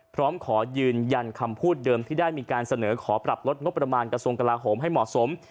พร้อมขอยืนยันคำพูดเดิมที่ได้มีการเสนอขอปรับลดงบประมาณกระทรวงกลาโหมให้เหมาะสม